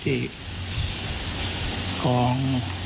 ถึงมาสอน